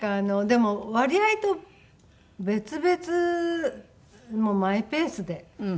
でも割合と別々もうマイペースで。